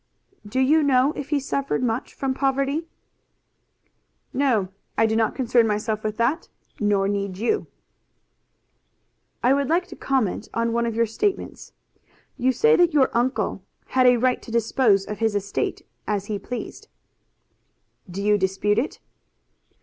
"Do you know if he suffered much from poverty?" "No; I did not concern myself with that, nor need you." "I would like to comment on one of your statements. You say that your uncle had a right to dispose of his estate as he pleased." "Do you dispute it?"